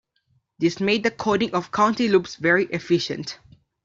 This made the coding of counting loops very efficient.